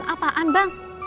masa depan apaan bang